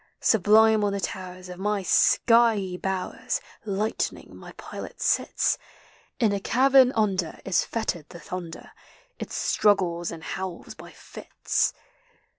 Sublime on the towers of my skvey bowers Lightning, my pilot, sits: In a cavern under is fettered the thunder; It struggles and howls by his.